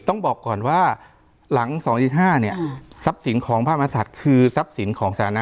ต้องบอกก่อนว่าหลังสองสี่ห้าเนี้ยอ่าทรัพย์สินของพระมหาศาลคือทรัพย์สินของสาธารณะ